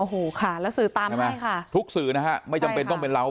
โอ้โหค่ะแล้วสื่อตามมาใช่ค่ะทุกสื่อนะฮะไม่จำเป็นต้องเป็นเรา